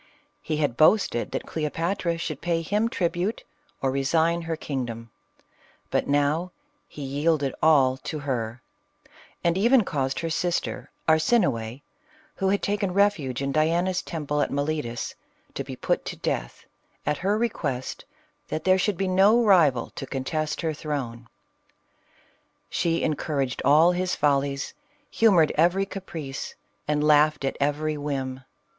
He had boasted that Cleopatra should pay him tribute or resign her kingdom ; but now he yielded all to her, and even caused her sister Arsinoe, who had taken refuge in Diana's temple at Miletus, to be put to death, at her request, that there should be no rival to contest her throne. She encour aged all his follies, humored every caprice, and laughed at every whim.